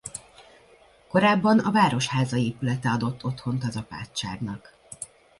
Korábban a városháza épülete adott otthon az apátságnak.